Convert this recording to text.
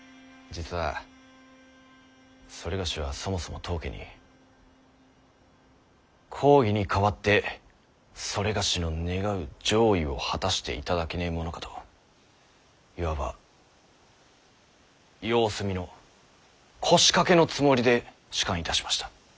実は某はそもそも当家に公儀に代わって某の願う攘夷を果たしていただけねぇものかといわば様子見の腰掛けのつもりで仕官いたしました。